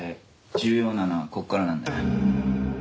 重要なのはここからなんだ。